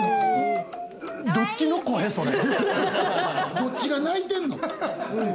どっちが鳴いてるの？